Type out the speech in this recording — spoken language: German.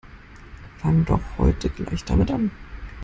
Fang' doch heute gleich damit an!